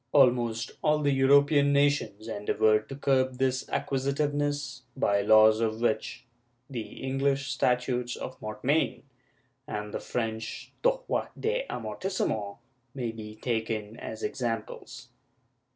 Almost all the European nations endeavored to curb this acquisitiveness by laws of which the English Statutes of Mortmain and the French droits d' mnortissement may be taken as examples.